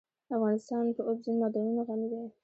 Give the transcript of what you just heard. افغانستان په اوبزین معدنونه غني دی.